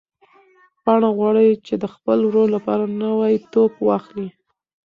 پاڼه غواړي چې د خپل ورور لپاره نوی توپ واخلي.